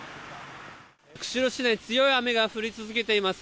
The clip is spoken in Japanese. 釧路市内強い雨が降り続いています。